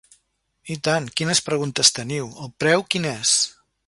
I tant, quines preguntes teniu, el preu quin és?